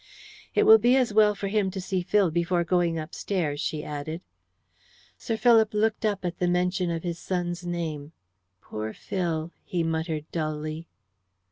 "It will be as well for him to see Phil before going upstairs," she added. Sir Philip looked up at the mention of his son's name. "Poor Phil," he muttered dully.